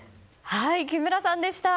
木村さんでした。